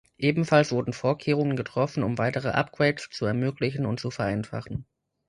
Ebenfalls wurden Vorkehrungen getroffen, um weitere Upgrades zu ermöglichen und zu vereinfachen.